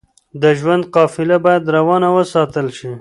د ژوند قافله بايد روانه وساتل شئ.